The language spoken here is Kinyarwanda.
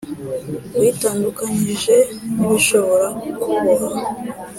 witandukanyije n ibishobora kukuboha